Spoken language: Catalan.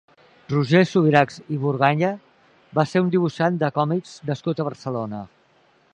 Roger Subirachs i Burgaya va ser un dibuixant de còmics nascut a Barcelona.